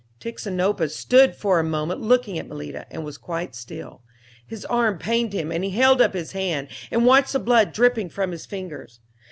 Tixinopa stood for a moment looking at Malita and was quite still. His arm pained him and he held up his hand and watched the blood dripping from his fingers.